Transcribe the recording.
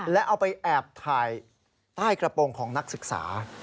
แล้วเอาไปแอบถ่ายใต้กระโปรงของนักศึกษา